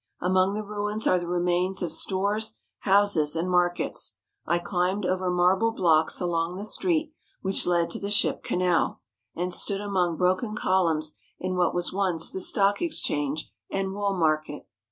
Among the ruins are the remains of stores, houses, and markets. I climbed over marble blocks along the street which led to the ship canal, and stood among broken columns in what was once the stock exchange and wool market.